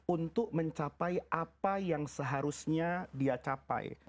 untuk mencapai apa yang seharusnya dia capai